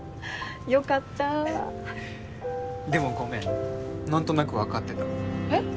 よかったでもごめん何となく分かってたえっ？